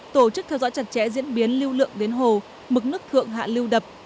tổ chức theo dõi chặt chẽ diễn biến lưu lượng đến hồ mực nước thượng hạ lưu đập